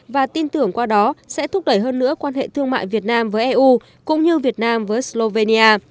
và tin tưởng qua đó sẽ thúc đẩy hơn nữa quan hệ thương mại việt nam với eu cũng như việt nam với slovenia